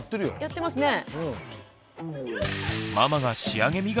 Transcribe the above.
やってますね。